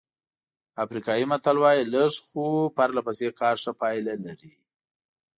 افریقایي متل وایي لږ خو پرله پسې کار ښه پایله لري.